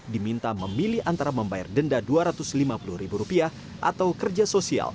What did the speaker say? diminta memilih antara membayar denda dua ratus lima puluh ribu rupiah atau kerja sosial